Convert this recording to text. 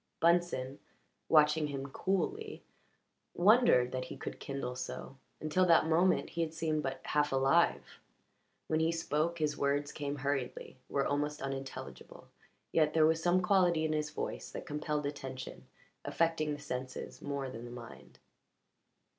Bunsen, watching him coolly, wondered that he could kindle so; until that moment he had seemed but half alive. When he spoke his words came hurriedly were almost unintelligible; yet there was some quality in his voice that compelled attention, affecting the senses more than the mind.